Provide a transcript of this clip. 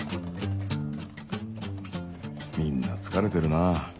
みんな疲れてるなぁ